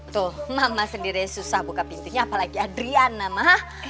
tuh mama sendiri yang susah buka pintunya apalagi adriana ma